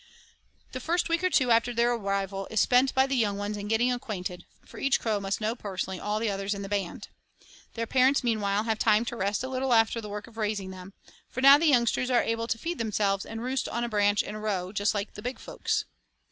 The first week or two after their arrival is spent by the young ones in getting acquainted, for each crow must know personally all the others in the band. Their parents meanwhile have time to rest a little after the work of raising them, for now the youngsters are able to feed themselves and roost on a branch in a row, just like big folks.